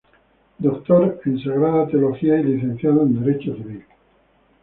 Doctor en Sagrada Teología y licenciado en Derecho Civil.